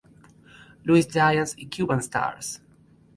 Louis Giants" y "Cuban Stars".